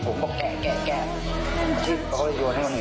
ผมก็บอกเฮ้ยกระเป๋าตอนหมอนี่